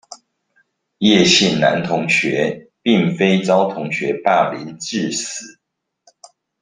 葉姓男同學並非遭同學霸凌致死